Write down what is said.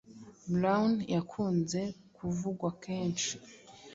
Brown yakunze kuvugwa kenshi